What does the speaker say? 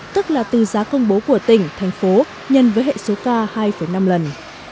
tức là từ giá công bố của tỉnh thành phố nhân với hệ số k hai năm lần